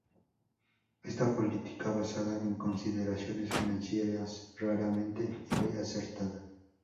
Esta política, basada en consideraciones financieras, raramente fue acertada.